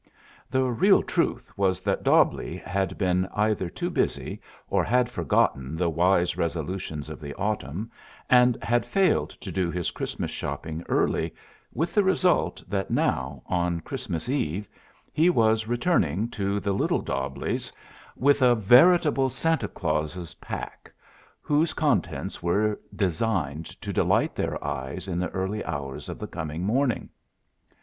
The real truth was that Dobbleigh had been either too busy, or had forgotten the wise resolutions of the autumn, and had failed to do his Christmas shopping early, with the result that now, on Christmas Eve, he was returning to the little Dobbleighs with a veritable Santa Claus' pack, whose contents were designed to delight their eyes in the early hours of the coming morning.